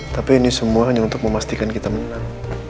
tapi ini semua hanya untuk memastikan kita menang